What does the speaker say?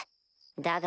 だが。